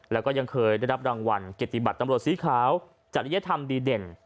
แล้วก็ยังเคยได้รับรางวัลเกียรติบัตรตำรวจสีขาวจริยธรรมดีเด่น